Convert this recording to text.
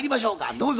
どうぞ。